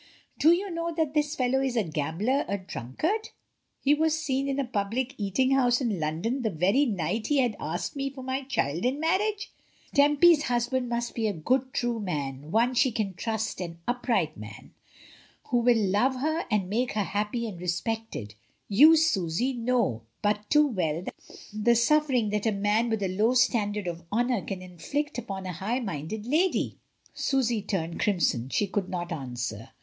Do you know that this fellow is a gambler, a drunkard? He was seen drunk in a public eating house in London the very night he had asked me for my child in marriage. Tempy's husband must be a good, true man, one she can trust, an upright man, who will love her and make her happy and respected. You, Susy, know but too well the suffer ing that a man with a low standard of honour can inflict upon a high minded lady." (Susy turned crimson; she could not answer.)